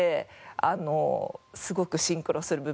あのすごくシンクロする部分もありました。